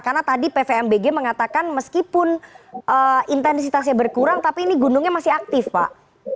karena tadi pvmbg mengatakan meskipun intensitasnya berkurang tapi ini gunungnya masih aktif pak